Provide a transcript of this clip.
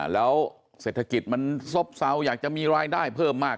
แล้วเศรษฐกิจมันซบเศร้าอยากจะมีรายได้เพิ่มมาก